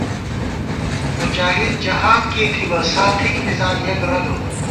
مجاہد جہاد کېئی تھِبہ، سا تھِک مِزان یَک رَگہ